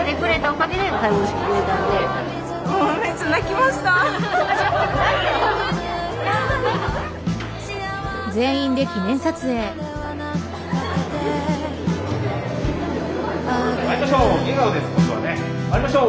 まいりましょう。